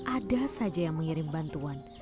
ada saja yang mengirim bantuan